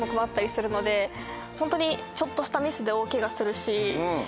ホントにちょっとしたミスで大ケガするし。